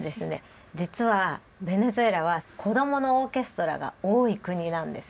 実はベネズエラは子どものオーケストラが多い国なんです。